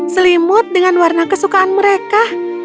selimut dengan warna kesukaan mereka